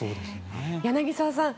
柳澤さん